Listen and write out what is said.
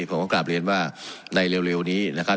ผมก็กลับเรียนว่าในเร็วนี้นะครับ